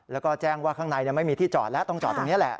แล้วก็แจ้งว่าข้างในไม่มีที่จอดแล้วต้องจอดตรงนี้แหละ